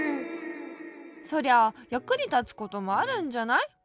そりゃあやくにたつこともあるんじゃない？